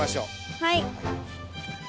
はい。